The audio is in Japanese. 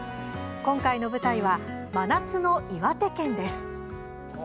今回の舞台は、真夏の岩手県です。